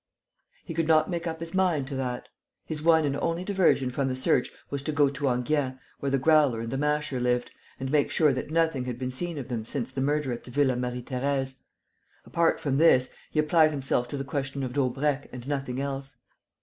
He could not make up his mind to that. His one and only diversion from the search was to go to Enghien, where the Growler and the Masher lived, and make sure that nothing had been seen of them since the murder at the Villa Marie Thérèse. Apart from this, he applied himself to the question of Daubrecq and nothing else.